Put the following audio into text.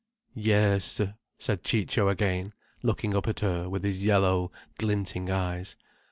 "Yes," said Ciccio, again looking up at her with his yellow, glinting eyes.